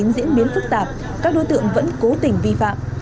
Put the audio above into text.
diễn biến phức tạp các đối tượng vẫn cố tình vi phạm